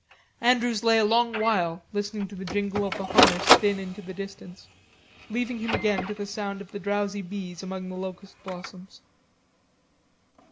Andrews lay a long while listening to the jingle of the harness thin into the distance, leaving him again to the sound of the drowsy bees among the locust blossoms.